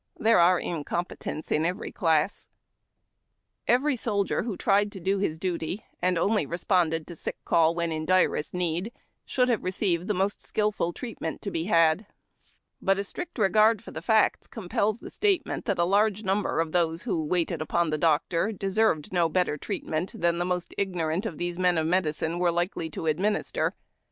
There are incompetents in every class. Every soldier who tried to do his duty, and only re sponded to sick call when in the direst need, should have received the most skilful treatment to be had ; but a strict regard for the facts compels the statement that a large num ber of those who waited upon the doctor deserved no better treatment than the most ignorant of these men of medicine were likely to administer.